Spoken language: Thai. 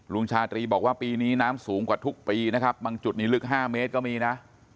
ชาตรีบอกว่าปีนี้น้ำสูงกว่าทุกปีนะครับบางจุดนี้ลึก๕เมตรก็มีนะ